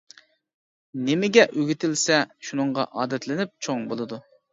نېمىگە ئۆگىتىلسە، شۇنىڭغا ئادەتلىنىپ چوڭ بولىدۇ.